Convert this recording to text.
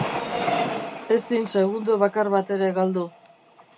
Ezin segundo bakar bat ere galdu.